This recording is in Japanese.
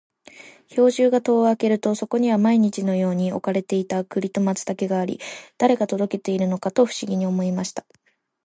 兵十が戸を開けると、そこには毎日のように置かれていた栗と松茸があり、誰が届けているのかと不思議に思いました。